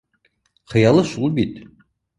Хыялы шул бит